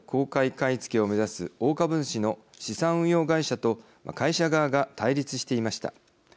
買い付けを目指す大株主の資産運用会社と会社側が対立していました。